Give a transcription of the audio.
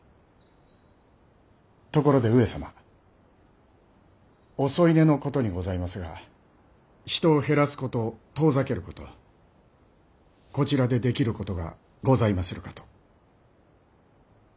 ところで上様お添い寝のことにございますが人を減らすこと遠ざけることこちらでできることがございまするかと。